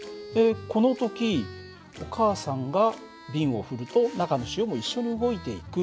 この時お母さんが瓶を振ると中の塩も一緒に動いていく。